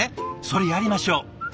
それやりましょう。